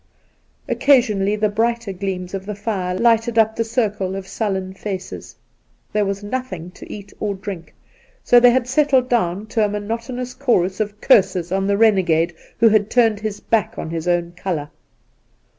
Occasionally the brighter gleams of the fire lighted up the circle of sullen faces. There was nothing to eat or drink, so they had settled down to a monotonous chorus of curses on theijrenegade who had turned his back on his own colour.